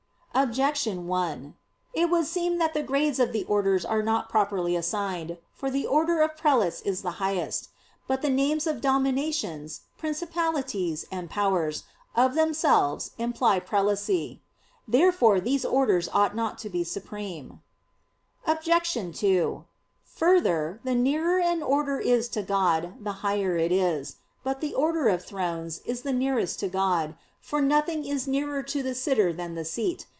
Objection 1: It would seem that the grades of the orders are not properly assigned. For the order of prelates is the highest. But the names of "Dominations," "Principalities," and "Powers" of themselves imply prelacy. Therefore these orders ought not to be supreme. Obj. 2: Further, the nearer an order is to God, the higher it is. But the order of "Thrones" is the nearest to God; for nothing is nearer to the sitter than the seat.